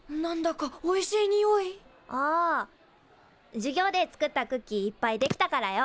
授業で作ったクッキーいっぱいできたからよ食うか？